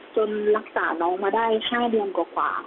รักษาน้องมาได้๕เดือนกว่า